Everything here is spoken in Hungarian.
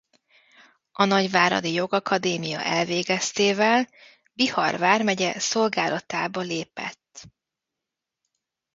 A nagyváradi Jogakadémia elvégeztével Bihar vármegye szolgálatába lépett.